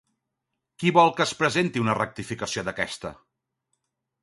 Qui vol que es presenti una rectificació d'aquesta?